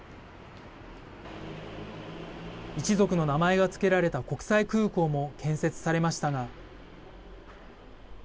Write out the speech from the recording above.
一族の名前が付けられた国際空港も建設されましたが。